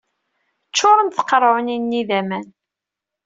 Ččuṛent tqerɛunin-nni d aman.